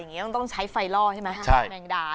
อย่างนี้คงต้องใช้ไฟล่อใช่ไหมนะ